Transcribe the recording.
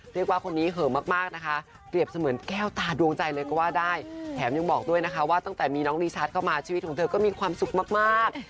เรียกว่าคนนี้เหอะมากนะคะเปรียบเสมือนแก้วตาดวงใจเลยก็ว่าได้แถมยังบอกด้วยนะคะว่าตั้งแต่มีน้องลีชัดเข้ามาชีวิตของเธอก็มีความสุขมาก